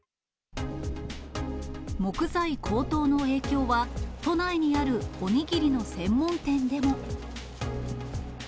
木材高騰の影響は、都内にあるお握りの専門店でも。